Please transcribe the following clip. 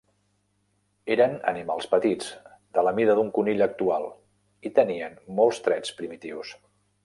Eren animals petits, de la mida d'un conill actual i tenien molts trets primitius.